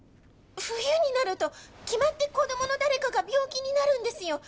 冬になると決まって子どもの誰かが病気になるんですよ。